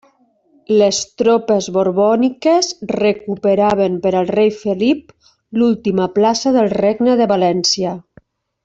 Les tropes borbòniques recuperaven per al rei Felip l'última plaça del Regne de València.